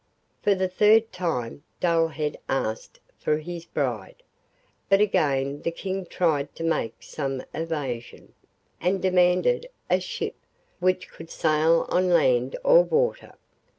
For the third time Dullhead asked for his bride, but again the King tried to make some evasion, and demanded a ship 'which could sail on land or water!